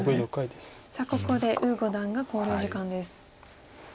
さあここで呉五段が考慮時間です。